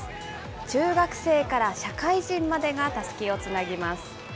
中学生から社会人までがたすきをつなぎます。